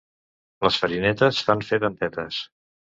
Les farinetes fan fer dentetes.